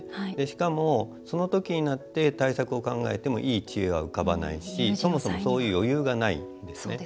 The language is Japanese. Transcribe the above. しかも、その時になって対策を考えてもいい知恵は浮かばないしそもそもそういう余裕がないですね。